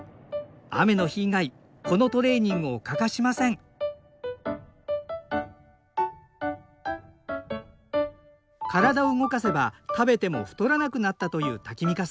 雨の日以外このトレーニングを欠かしません体を動かせば食べても太らなくなったというタキミカさん。